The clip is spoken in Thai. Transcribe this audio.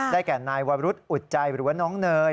แก่นายวรุษอุดใจหรือว่าน้องเนย